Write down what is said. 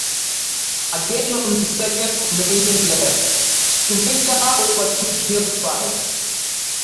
Again on this second formation lap, Schumacher overtook Hill twice.